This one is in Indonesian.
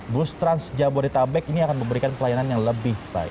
bus trans jabodetabek ini akan memberikan pelayanan yang lebih baik